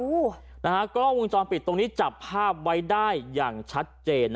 กล้องวงจรปิดตรงนี้จับภาพไว้ได้อย่างชัดเจน